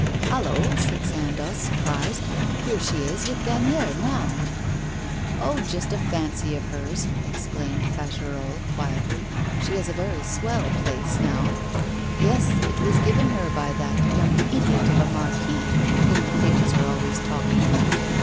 'Hallo!' said Sandoz, surprised, 'here she is with Gagnière now!' 'Oh, just a fancy of hers!' exclaimed Fagerolles quietly. 'She has a very swell place now. Yes, it was given her by that young idiot of a marquis, whom the papers are always talking about.